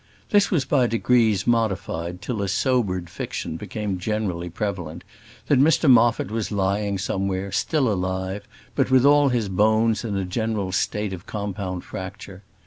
This was by degrees modified till a sobered fiction became generally prevalent, that Mr Moffat was lying somewhere, still alive, but with all his bones in a general state of compound fracture.